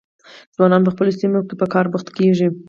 ځوانان په خپلو سیمو کې په کار بوخت کیږي.